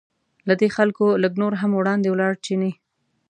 له دې خلکو لږ نور هم وړاندې ولاړ چیني.